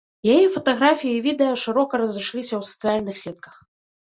Яе фатаграфіі і відэа шырока разышліся ў сацыяльных сетках.